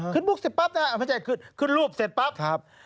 ขึ้นรูปเสร็จปั๊บนะครับพระเจ้าขึ้นรูปเสร็จปั๊บ